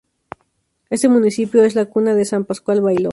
Este municipio es la cuna de San Pascual Bailón.